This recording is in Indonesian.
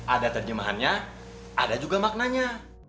ada terjemahannya ada juga maknanya